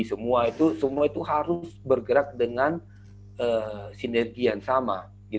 semua itu harus bergerak dengan sinergian sama